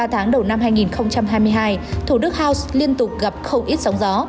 ba tháng đầu năm hai nghìn hai mươi hai thủ đức house liên tục gặp không ít sóng gió